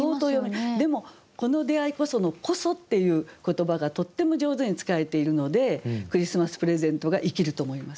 でも「この出ひこそ」の「こそ」っていう言葉がとっても上手に使えているので「クリスマスプレゼント」が生きると思います。